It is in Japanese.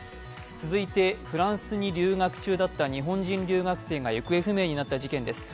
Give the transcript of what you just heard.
続いてフランスに留学中だった日本人留学生が行方不明になった事件です。